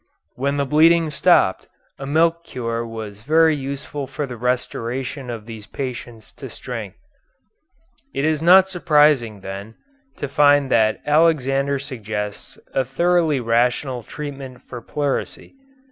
When the bleeding stopped, a milk cure was very useful for the restoration of these patients to strength. It is not surprising, then, to find that Alexander suggests a thoroughly rational treatment for pleurisy.